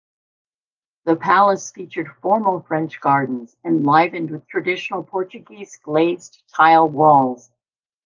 The palace featured formal French gardens enlivened with traditional Portuguese glazed tile walls.